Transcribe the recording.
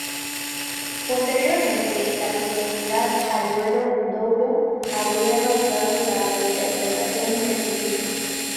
Posteriormente, la proximidad al Duero-Douro habrá causado la reinterpretación del sufijo.